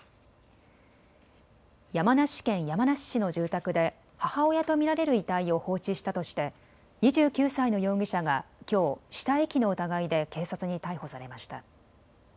山梨県山梨市の住宅で母親と見られる遺体を放置したとして２９歳の容疑者がきょう死体遺棄の疑いで警察に逮捕されました。